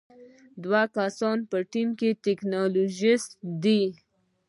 دوهم کس په ټیم کې ټیکنالوژیست دی.